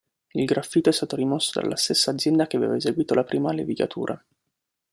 Il graffito è stato rimosso dalla stessa azienda che aveva eseguito la prima levigatura.